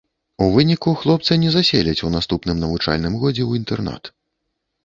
У выніку хлопца не заселяць у наступным навучальным годзе ў інтэрнат.